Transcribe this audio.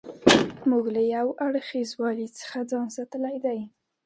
موږ له یو اړخیزوالي څخه ځان ساتلی دی.